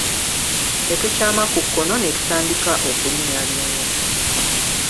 Ne tukyama ku kkono ne tutandika okulinnyalinnya.